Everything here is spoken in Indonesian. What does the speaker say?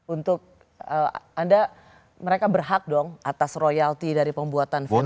untuk anda mereka berhak dong atas royalti dari pembuatan film